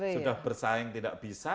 sudah bersaing tidak bisa